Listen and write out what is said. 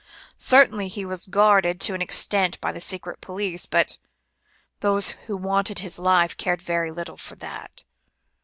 Certainly he was guarded to an extent by the Secret Police, but, those who wanted his life cared very little for that.